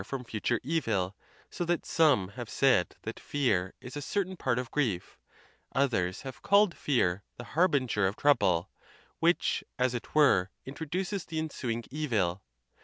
from future evil; so that some have said that fear is a certain part of grief: others have called fear the harbin ger of trouble, which, as it were, introduces the ensuing evil.